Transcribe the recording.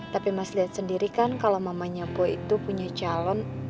tapi mas lihat sendiri kan kalau mamanya boy itu punya calon